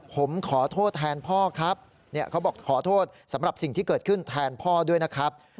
ผมขอโทษแทนพ่อครับเขาบอกขอโทษสำหรับสิ่งที่เกิดขึ้นแทนพ่อด้วยนะครับ